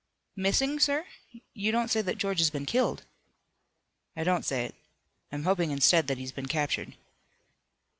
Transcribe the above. "Missing, sir? You don't say that George has been killed?" "I don't say it. I'm hoping instead that he's been captured."